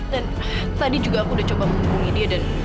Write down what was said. dan tadi juga aku udah coba menghubungi dia dan